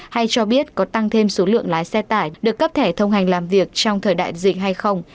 hay cho biết có tăng thêm số lượng lái xe tải được cấp thẻ thông hành làm việc trong thời đại dịch hay không